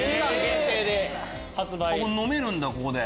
飲めるんだここで。